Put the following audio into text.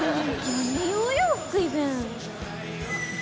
やめようよ福井